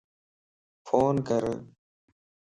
فون ڪر